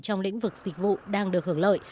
trong lĩnh vực dịch vụ đang được hưởng lợi